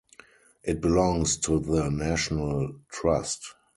It belongs to the National Trust.